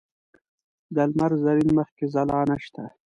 د لمر زرین مخ کې ځلا نشته